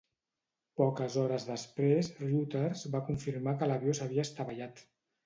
Poques hores després Reuters va confirmar que l'avió s'havia estavellat.